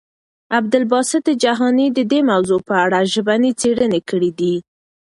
عبدالباسط جهاني د دې موضوع په اړه ژبني څېړنې کړي دي.